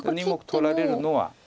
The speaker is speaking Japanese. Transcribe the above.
２目取られるのは。